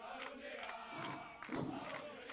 مېلې د کلتوري دودونو د انتقال وسایل دي.